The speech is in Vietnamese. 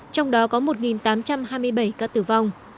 trong đó có một tám trăm hai mươi bảy ca tử vong